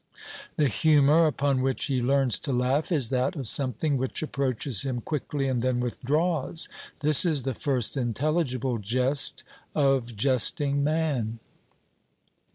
The humour upon which he learns to laugh is that of something which approaches him quickly and then withdraws. This is the first intelligible jest of jesting man.